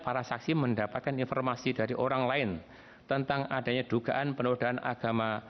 para saksi mendapatkan informasi dari orang lain tentang adanya dugaan penodaan agama